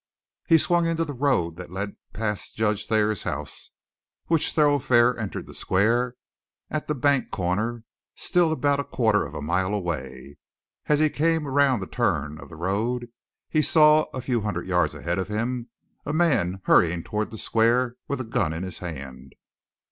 He swung into the road that led past Judge Thayer's house, which thoroughfare entered the square at the bank corner, still about a quarter of a mile away. As he came round the turn of the road he saw, a few hundred yards ahead of him, a man hurrying toward the square with a gun in his hand.